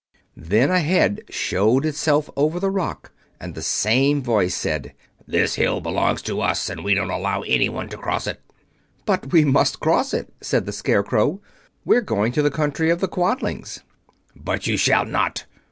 Then a head showed itself over the rock and the same voice said, "This hill belongs to us, and we don't allow anyone to cross it." "But we must cross it," said the Scarecrow. "We're going to the country of the Quadlings." "But you shall not!"